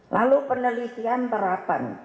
lalu penelitian terapan